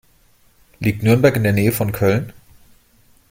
Liegt Nürnberg in der Nähe von Köln?